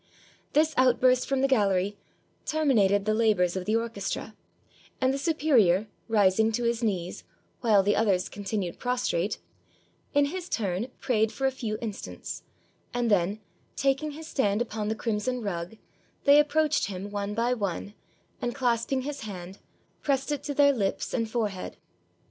This outburst from the gallery terminated the labors of the orchestra, and the superior, rising to his knees, while the others continued prostrate, in his turn prayed for a few instants; and then, taking his stand upon the crimson rug, they approached him one by one, and, clasping his hand, pressed it to their lips and forehead.